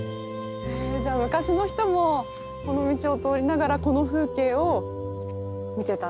じゃあ昔の人もこの道を通りながらこの風景を見てたっていうことですか？